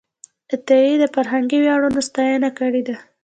عطایي د فرهنګي ویاړونو ستاینه کړې ده.